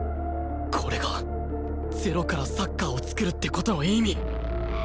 これが０からサッカーを創るって事の意味